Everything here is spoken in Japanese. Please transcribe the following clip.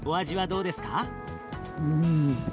うん。